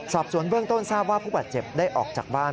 สอบสวนเบื้องต้นทราบว่าผู้บาดเจ็บได้ออกจากบ้าน